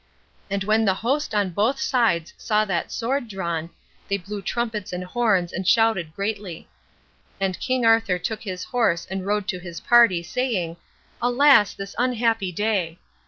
And when the host on both sides saw that sword drawn, they blew trumpets and horns, and shouted greatly. And King Arthur took his horse, and rode to his party, saying, "Alas, this unhappy day!"